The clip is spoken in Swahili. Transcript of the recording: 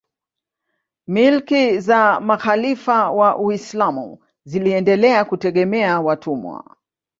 Milki za makhalifa wa Uislamu ziliendelea kutegemea watumwa